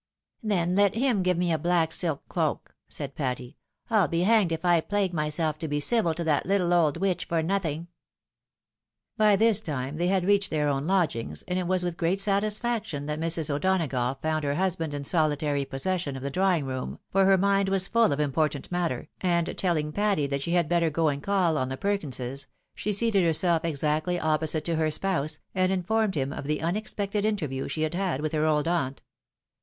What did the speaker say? " Then let him give me a black silk cloak," said Patty ;" ril be hanged if I plague myself to be civU to that little old witch for nothing." By this time they had reached their own lodgings, and it 154 THE WIDOW MAKKIED. was with great satisfaction that Mrs. O'Donagough found hei* husband in solitary possession of the drawing room, for her mind was' full of important matter, and teUing Patty that she had better go and caE on the Perkinses, she seated herself ex actly opposite to her spouse, and informed him of the unexpected interview she had had with her old aunt.